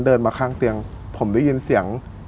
เดินมาข้างเตียงผมได้ยินเสียง